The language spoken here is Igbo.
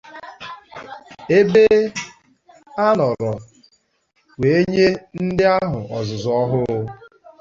ebe a nọrọ wee nye ndị ahụ ọzụzụ ahụ.